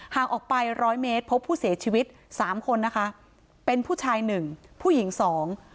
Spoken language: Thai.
ห่างออกไปร้อยเมตรพบผู้เสียชีวิตสามคนนะคะเป็นผู้ชายหนึ่งผู้หญิงสอง